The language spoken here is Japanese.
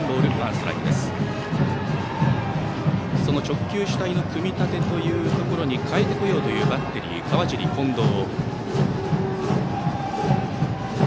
直球主体の組み立てに変えてこようというバッテリーの川尻、近藤。